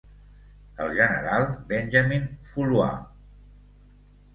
El general Benjamin Foulois.